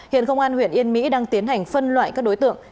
hiện công an huyện yên mỹ đang tiến hành phân loại các đối tượng